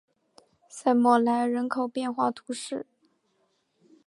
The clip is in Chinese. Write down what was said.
塞默莱人口变化图示